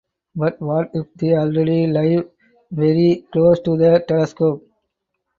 But what if they already live very close to the telescope?